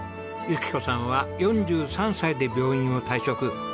由紀子さんは４３歳で病院を退職。